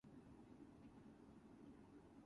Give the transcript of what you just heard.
This is also known as a scattering junction.